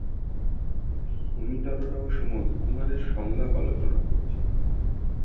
সুমিত অরোরা ও সুমন কুমার এর সংলাপ রচনা করেছেন।